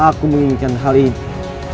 aku menginginkan hal ini